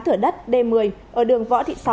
thửa đất d một mươi ở đường võ thị sáu